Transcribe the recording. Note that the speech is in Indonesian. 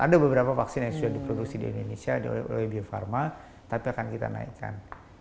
ada beberapa vaksin yang sudah diproduksi di indonesia ada oleh bio farma tapi akan kita naikkan